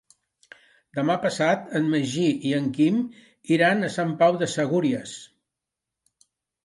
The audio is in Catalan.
Demà passat en Magí i en Quim iran a Sant Pau de Segúries.